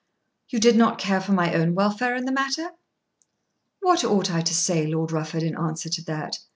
"You did not care for my own welfare in the matter?" "What ought I say, Lord Rufford, in answer to that?